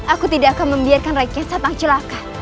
aku tidak akan membiarkan rai kiansat mengcelaka